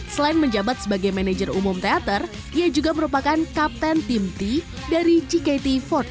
selain menjabat sebagai manajer umum teater dia juga merupakan kapten tim t dari gkt empat puluh delapan